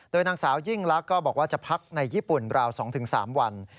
นางสาวยิ่งลักษณ์ก็บอกว่าจะพักในญี่ปุ่นราว๒๓วัน